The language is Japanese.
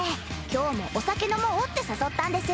今日もお酒飲もうって誘ったんです。